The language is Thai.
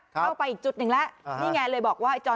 เข้าไปอีกจุดหนึ่งแล้วนี่ไงเลยบอกว่า